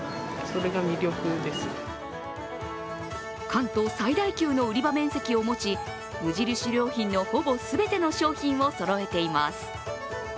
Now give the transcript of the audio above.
関東最大級の売り場面積を持ち、無印良品のほぼ全ての商品をそろえています。